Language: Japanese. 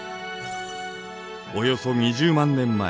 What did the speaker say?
およそ２０万年前。